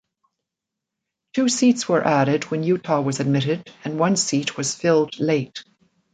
Two seats were added when Utah was admitted and one seat was filled late.